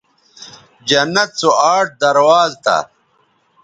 جنت سو آٹھ درواز تھا